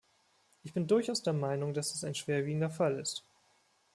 Ich bin durchaus der Meinung, dass das ein schwerwiegender Fall ist.